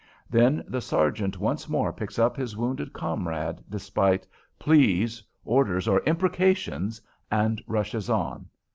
Then the sergeant once more picks up his wounded comrade, despite pleas, orders, or imprecations, and rushes on.